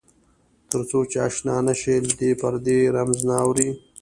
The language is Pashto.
تر څو چې آشنا نه شې له دې پردې رمز نه اورې.